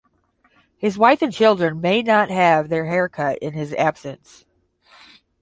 His wife and children may not have their hair cut in his absence.